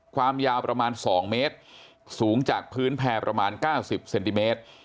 ความยาวประมาณ๒เมตรสูงจากพื้นแพร่ประมาณ๙๐เซนติเมตร